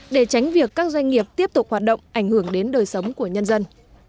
để tránh việc các doanh nghiệp tiếp tục hoạt động ảnh hưởng đến đời sống của nhân dân